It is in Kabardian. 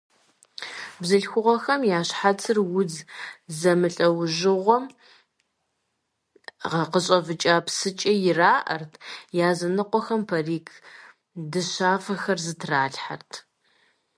Бзылъхугъэхэм я щхьэцыр удз зэмылӀэужьыгъуэхэм къыщӀэвыкӀа псыкӀэ ираӀэрт, языныкъуэхэм парик дыщафэхэр зытралъхьэрт.